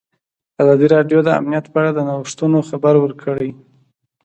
ازادي راډیو د امنیت په اړه د نوښتونو خبر ورکړی.